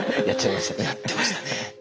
やってましたね。